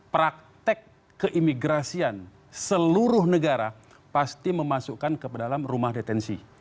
praktek keimigrasian seluruh negara pasti memasukkan ke dalam rumah detensi